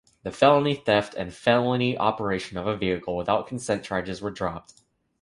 The felony theft and felony operation of a vehicle without consent charges were dropped.